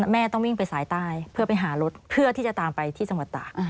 แม่ต้องวิ่งไปสายใต้เพื่อไปหารถเพื่อที่จะตามไปที่จังหวัดตาก